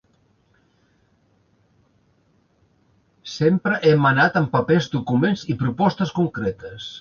Sempre hem ha anat amb papers, documents i propostes concretes.